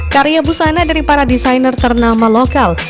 karya busana dari para desainer ternama lokal